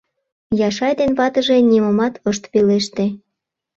Яшай ден ватыже нимомат ышт пелеште.